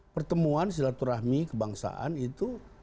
pertemuan silaturahmi kebangsaan itu